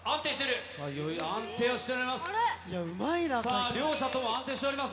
安定をしております。